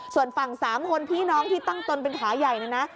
ส่วนฝั่ง๓คนพี่น้องที่ตั้งตนเป็นขาใหญ่นะนะ